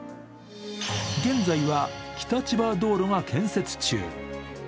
現在は北千葉道路が建設中。